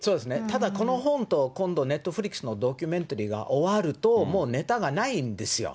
ただ、この本と、今度ネットフリックスのドキュメンタリーが終わると、もうネタがないんですよ。